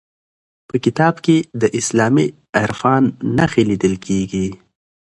په کتاب کې د اسلامي عرفان نښې لیدل کیږي.